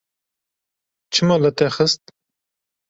Çima li te xist?